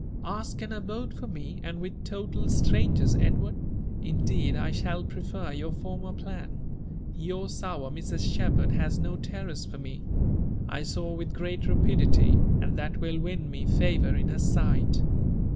.'* Ask an abode for me, and with total strangers, Edward ?— ^Indeed I shall prefer your former plan. Your sour Mrs. Shepherd has no terrors for me. I sew with great rapidity ; and that will win me fa Toiir in her sight.